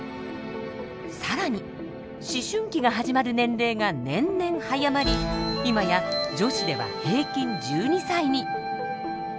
更に思春期が始まる年齢が年々早まり今や女子では平均１２歳に。